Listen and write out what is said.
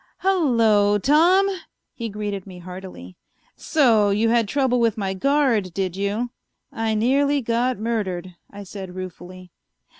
"Hello, Tom," he greeted me heartily. "So you had trouble with my guard, did you?" "I nearly got murdered," I said ruefully.